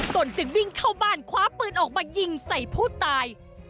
ตนจึงวิ่งเข้าบ้านคว้าปืนออกมายิงใส่ผู้ตาย